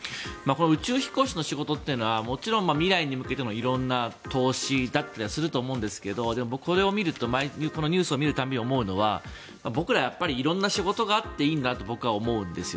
宇宙飛行士の仕事というのはもちろん未来に向けての色んな投資だったりするとは思うんですが僕、これを見るとこのニュースを見る度に思うのが僕らはやっぱり色んな仕事があっていいんだと僕は思うんですよ。